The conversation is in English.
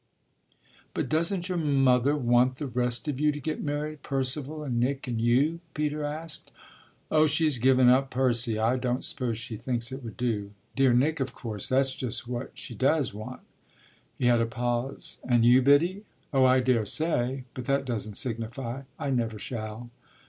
"But doesn't your mother want the rest of you to get married Percival and Nick and you?" Peter asked. "Oh she has given up Percy. I don't suppose she thinks it would do. Dear Nick of course that's just what she does want." He had a pause. "And you, Biddy?" "Oh I daresay. But that doesn't signify I never shall."